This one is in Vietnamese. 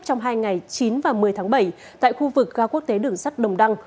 trong hai ngày chín và một mươi tháng bảy tại khu vực ga quốc tế đường sắt đồng đăng